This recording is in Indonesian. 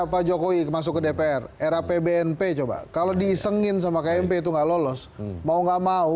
pak jokowi masuk ke dpr era pbnp coba kalau diisengin sama kmp itu nggak lolos mau nggak mau